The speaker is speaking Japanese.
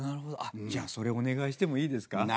じゃあそれお願いしてもいいですか？